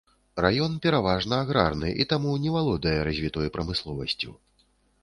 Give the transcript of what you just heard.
Раён, пераважна, аграрны, і таму не валодае развітой прамысловасцю.